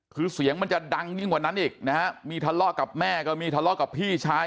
คือเสียงมันจะดังยิ่งกว่านั้นอีกนะฮะมีทะเลาะกับแม่ก็มีทะเลาะกับพี่ชาย